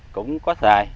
cũng có xài